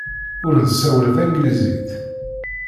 Ur nessawal tanglizit.